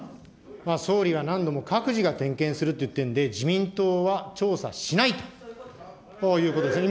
総理が何度も各自が点検するって言ってるんで、自民党は調査しないということですね。